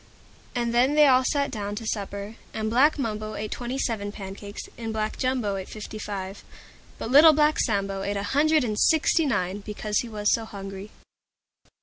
And then they all sat down to supper. And Black Mumbo ate Twenty seven pancakes, and Black Jumbo ate Fifty five but Little Black Sambo ate a Hundred and Sixty nine, because he was so hungry.